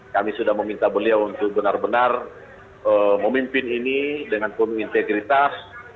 kami sudah meminta beliau untuk benar benar memimpin ini dengan penuh integritas